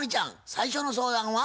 最初の相談は？